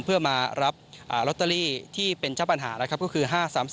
เพื่อมารับลอตเตอรี่ที่เป็นเจ้าปัญหานะครับก็คือ๕๓๔